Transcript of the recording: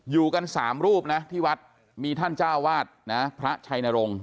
อยู่กัน๓รูปนะที่วัดมีท่านเจ้าวาดนะพระชัยนรงค์